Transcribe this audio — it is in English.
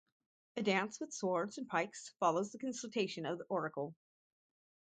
A dance with swords and pikes follows the consultation of the oracle.